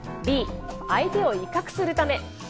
Ｂ、相手を威嚇するため。